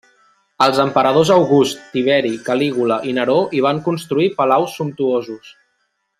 Els emperadors August, Tiberi, Calígula i Neró hi van construir palaus sumptuosos.